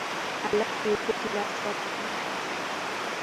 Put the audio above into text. هلک د اوبو ګیلاس وڅښله.